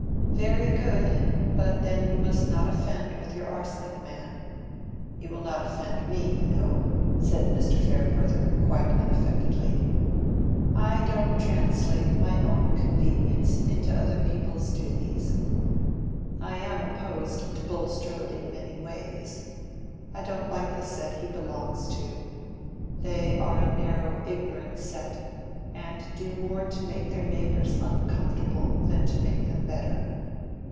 "Very good. But then you must not offend your arsenic man. You will not offend me, you know," said Mr. Farebrother, quite unaffectedly. "I don't translate my own convenience into other people's duties. I am opposed to Bulstrode in many ways. I don't like the set he belongs to: they are a narrow ignorant set, and do more to make their neighbors uncomfortable than to make them better.